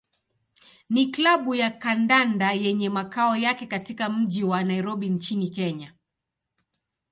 ni klabu ya kandanda yenye makao yake katika mji wa Nairobi nchini Kenya.